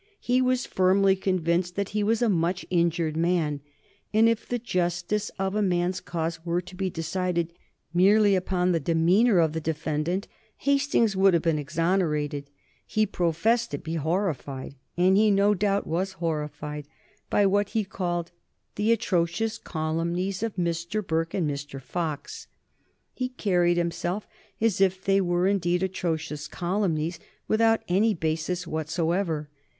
He was firmly convinced that he was a much injured man, and if the justice of a man's cause were to be decided merely upon the demeanor of the defendant, Hastings would have been exonerated. He professed to be horrified, and he no doubt was horrified, by what he called "the atrocious calumnies of Mr. Burke and Mr. Fox." He carried himself as if they were indeed atrocious calumnies without any basis whatsoever.